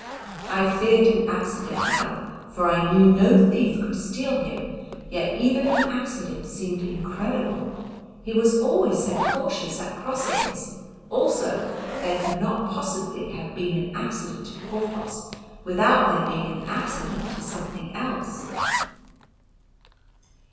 I feared an accident now, for I knew no thief could steal him, yet even an accident seemed incredible, he was always so cautious at crossings; also there could not possibly have been an accident to Porthos without there being an accident to something else.